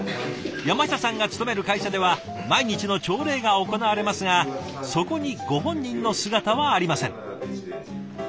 山下さんが勤める会社では毎日の朝礼が行われますがそこにご本人の姿はありません。